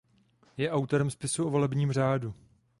Je autorem spisu o volebním řádu.